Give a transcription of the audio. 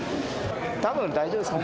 多分大丈夫です